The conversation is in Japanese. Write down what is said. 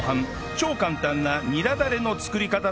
超簡単なニラダレの作り方とは？